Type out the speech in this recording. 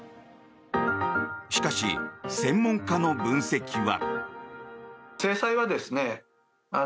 しかし、専門家の分析は。